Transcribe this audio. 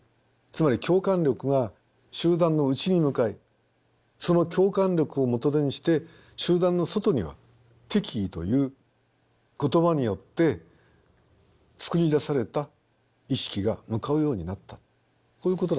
つまり共感力は集団の内に向かいその共感力を元手にして集団の外には敵意という言葉によって作り出された意識が向かうようになったこういうことだと思うんですね。